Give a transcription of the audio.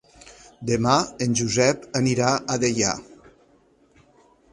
Demà en Josep anirà a Deià.